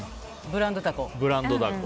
ブランドタコ。